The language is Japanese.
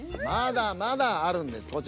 まだまだあるんです。